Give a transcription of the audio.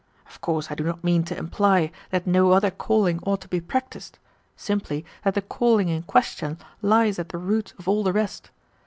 Of course I do not mean to imply that no other calling ought to be practised: simply that the calling in question lies at the root of all the rest.